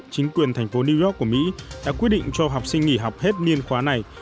chính quyền thành phố new york của mỹ đã quyết định cho học sinh nghỉ học hết niên khóa này